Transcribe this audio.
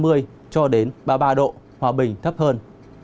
từ ba mươi cho đến ba mươi ba độ hòa bình thấp hơn